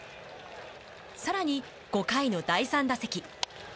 さらに５回の第３打席。